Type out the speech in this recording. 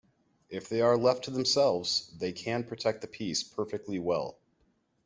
If they are left to themselves, they can protect the peace perfectly well.